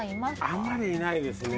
あんまりいないですね。